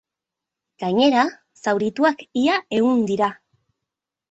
Gainera, zaurituak ia ehun dira.